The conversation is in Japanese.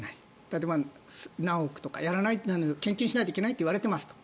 例えば、何億とか献金しないといけないと言われていますと。